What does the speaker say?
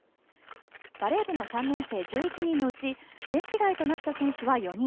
バレー部の３年生１１人のうちベンチ外となった選手は４人。